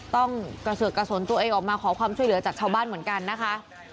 ต้องกระเสือกกระสนตัวเองออกมาขอความช่วยเหลือจากชาวบ้านเหมือนกันนะคะ